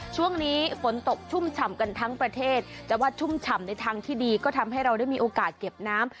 ช่วงนี้ฝนตกชุ่มฉ่ำกันทั้งประเทศแต่ว่าชุ่มฉ่ำในทางที่ดีก็ทำให้เราได้มีโอกาสเก็บน้ำ